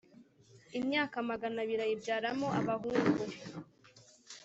imyaka magana abiri ayibyaramo abahungu